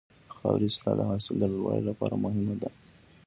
د خاورې اصلاح د حاصل د لوړوالي لپاره مهمه ده.